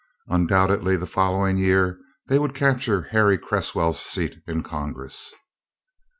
Undoubtedly the following year they would capture Harry Cresswell's seat in Congress.